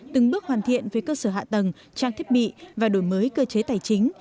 từng bước hoàn thiện về cơ sở hạ tầng trang thiết bị và đổi mới cơ chế tài chính